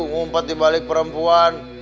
ngumpet dibalik perempuan